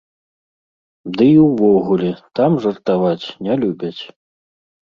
Ды і ўвогуле там жартаваць не любяць.